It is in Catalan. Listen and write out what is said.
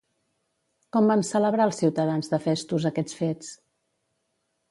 Com van celebrar els ciutadans de Festos aquests fets?